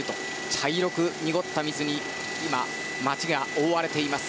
茶色く濁った水に町が覆われています。